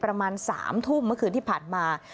ประมาณ๓ทุ่มเมื่อคืนที่ผ่านมา